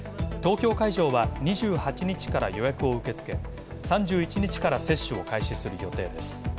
東京会場は２８日から予約を受け付け、３１日から接種を開始する予定です。